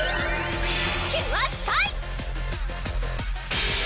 キュアスカイ！